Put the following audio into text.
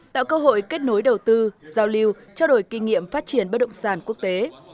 tạo cơ hội kết nối đầu tư giao lưu trao đổi kinh nghiệm phát triển bất động sản quốc tế